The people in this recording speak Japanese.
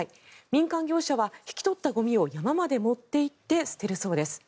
民間業者は引き取ったゴミを山まで持っていって捨てるそうです。